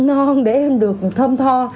ngon để em được thơm tho